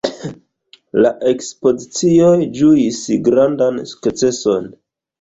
La ekspozicioj ĝuis grandan sukceson.